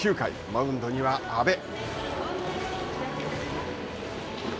マウンドには阿部。